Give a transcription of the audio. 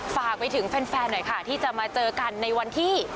ฝากไปถึงแฟนหน่อยค่ะที่จะมาเจอกันในวันที่